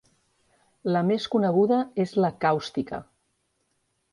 La més coneguda és la càustica.